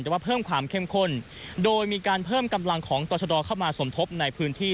แต่ว่าเพิ่มความเข้มข้นโดยมีการเพิ่มกำลังของต่อชะดอเข้ามาสมทบในพื้นที่